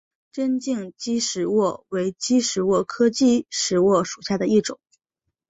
针茎姬石蛾为姬石蛾科姬石蛾属下的一个种。